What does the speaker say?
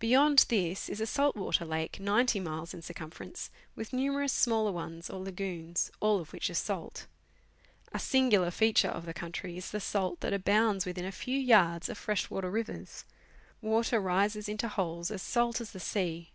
Beyond this is a salt water lake 90 miles in circumference, with numerous smaller ones or lagoons, all of which are salt. A singular feature of the country is the salt that abounds within a few yards of fresh water rivers ; water rises into holes as salt as the sea.